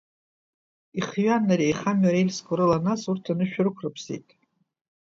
Ихҩан иара аихамҩа арельсқәа рыла, нас урҭ анышә рықәрыԥсеит.